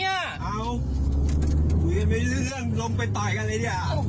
อ้าวไม่มีเรื่องลงไปตายกันเลย